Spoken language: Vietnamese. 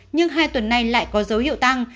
nhưng hai tuần nay lại có dấu hiệu tăng